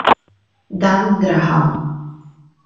Dan Graham